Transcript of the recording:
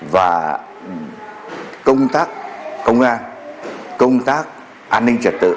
và công tác công an công tác an ninh trật tự